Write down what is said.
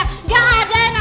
gak ada yang namanya bu